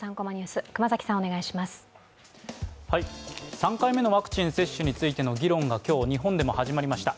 ３回目のワクチン接種についての議論が今日日本でも始まりました。